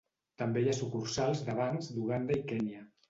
També hi ha sucursals de bancs d'Uganda i Kenya.